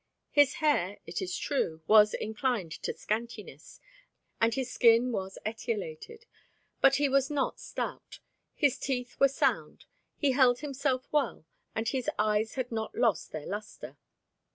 His hair, it is true, was inclined to scantiness, and his skin was etiolated, but he was not stout, his teeth were sound, he held himself well, and his eyes had not lost their lustre.